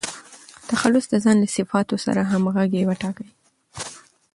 تخلص د ځان له صفاتو سره همږغي وټاکئ.